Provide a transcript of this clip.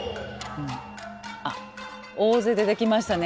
大勢出てきましたね。